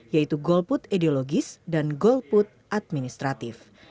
yaitu golput ideologis dan golput administratif